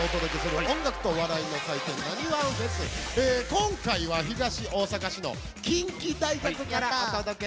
今回は東大阪市の近畿大学からお届けします。